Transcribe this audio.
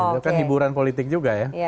itu kan hiburan politik juga ya